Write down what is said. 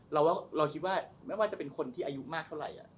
เราคิดว่าจะเป็นคนที่อายุมากเท่าไร